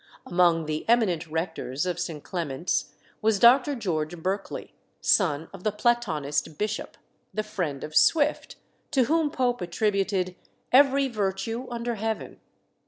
Among the eminent rectors of St. Clement's was Dr. George Berkeley, son of the Platonist bishop, the friend of Swift, to whom Pope attributed "every virtue under heaven."